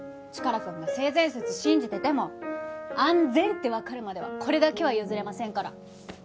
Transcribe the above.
チカラくんが性善説信じてても安全ってわかるまではこれだけは譲れませんから。